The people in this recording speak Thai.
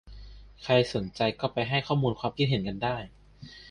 ใครสนใจก็ไปให้ข้อมูลให้ความเห็นกันได้